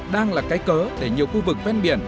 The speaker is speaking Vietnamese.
đang là cái cớ để nhiều khu vực ven biển